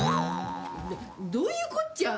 どういうこっちゃ？